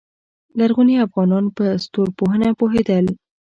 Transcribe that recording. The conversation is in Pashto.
لرغوني افغانان په ستورپوهنه پوهیدل